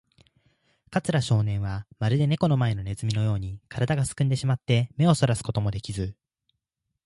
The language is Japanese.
桂少年は、まるでネコの前のネズミのように、からだがすくんでしまって、目をそらすこともできず、